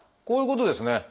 こういうことですね。